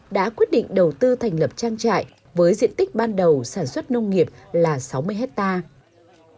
đã quyết định đầu tư thành lập trang trại với diện tích ban đầu sản xuất nông nghiệp là sáu mươi hectare